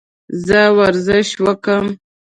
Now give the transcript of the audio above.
زه ورزش وکم؟